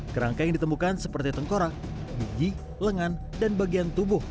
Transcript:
kerangka yang ditemukan seperti tengkorak gigi lengan dan bagian tubuh